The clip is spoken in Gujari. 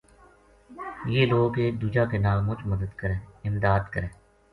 یہ لوک ایک دُوجا کے نال مُچ مدد امداد کرے